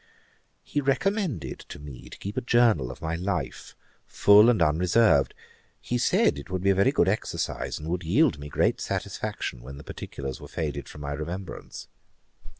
He recommended to me to keep a journal of my life, full and unreserved. He said it would be a very good exercise, and would yield me great satisfaction when the particulars were faded from my remembrance.